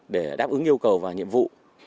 để đáp ứng yêu cầu và nhiệm vụ